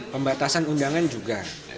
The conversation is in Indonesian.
pembatasan undangan juga